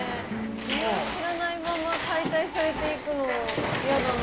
理由を知らないまま解体されていくの嫌だな。